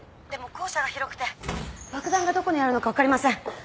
でも校舎が広くて爆弾がどこにあるのか分かりません。